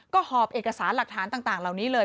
ก็หอบเอกสารหลักฐานต่างเหล่านี้เลย